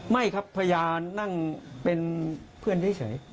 ไม่ครับพญานั่งเป็นเพื่อนเฉย